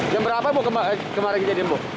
jam berapa bu kemarin kejadian bu